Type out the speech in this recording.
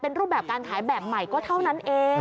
เป็นรูปแบบการขายแบบใหม่ก็เท่านั้นเอง